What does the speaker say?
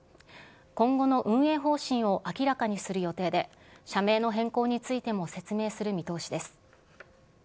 今後の運営方針を明らかにする予定で、社名の変更についても説明する見通しです。